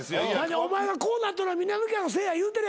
お前がこうなっとるのはみなみかわのせいや言うてる。